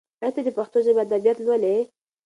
ایا ته د پښتو ژبې ادبیات لولي؟